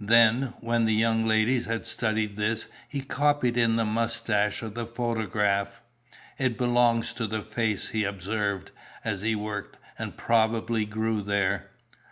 Then, when the young ladies had studied this, he copied in the moustache of the photograph. "It belongs to the face," he observed, as he worked; "and probably grew there."